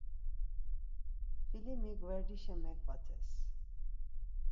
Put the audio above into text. Filimi gverdişe meǩvates.